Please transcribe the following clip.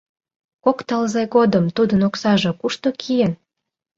Кок тылзе годым тудын оксаже кушто киен?